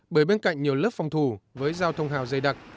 bởi bên cạnh nhiều lớp phòng thủ với giao thông hào dây đặc